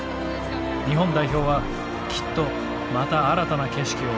日本代表はきっとまた新たな景色を見せてくれるはずだ。